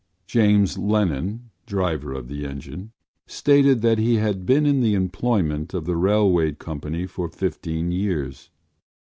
James Lennon, driver of the engine, stated that he had been in the employment of the railway company for fifteen years.